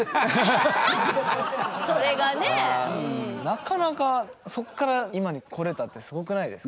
なかなかそっから今に来れたってすごくないですか。